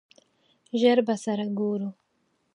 ژر به سره ګورو!